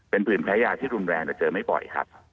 เป็นผื่นแพ้ยาที่รุนแรงแต่เจอไม่บ่อยครับ